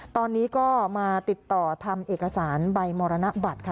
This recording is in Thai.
ตอนนี้ก็มาติดต่อทำเอกสารใบมรณบัตรค่ะ